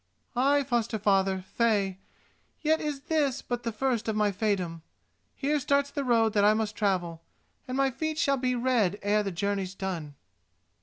"Ay, foster father, fey: yet is this but the first of my feydom. Here starts the road that I must travel, and my feet shall be red ere the journey's done."